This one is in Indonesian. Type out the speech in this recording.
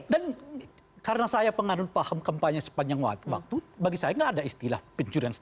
dan karena saya penganut paham kampanye sepanjang waktu bagi saya nggak ada istilah pencuri